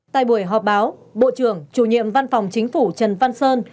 tại buổi họp báo bộ trưởng chủ nhiệm văn phòng chính phủ trần văn sơn